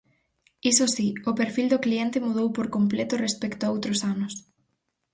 Iso si, o perfil do cliente mudou por completo respecto a outros anos.